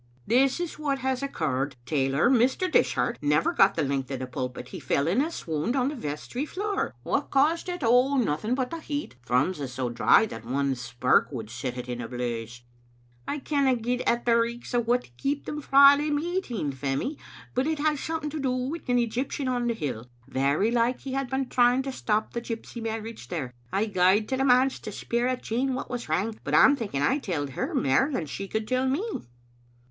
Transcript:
"This is what has occurred. Tailor: Mr. Dishart, never got the length of the pulpit. He fell in a swound on the vestry floor. What caused it? Oh, nothing but the heat. Thrums is so dry that one spark would set it in a blaze." " I canna get at the richts o' what keeped him frae the meeting, Femie, but it had something to do wi* an Egyptian on the hill. Very like he had been trying to stop the gjrpsy marriage there. I gaed to the manse to speir at Jean what was wrang, but I'm thinking I tolled her mair than she could tell me."